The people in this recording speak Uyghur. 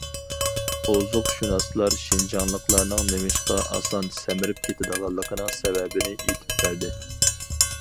ئوزۇقشۇناسلار شىنجاڭلىقلارنىڭ نېمىشقا ئاسان سەمرىپ كېتىدىغانلىقىنىڭ سەۋەبىنى ئېيتىپ بەردى.